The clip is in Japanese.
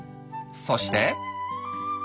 そして。